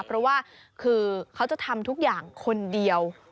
เพราะว่าคือเขาจะทำทุกอย่างคนเดียว